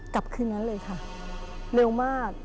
กลับคืนนั้นเลยค่ะเร็วมาก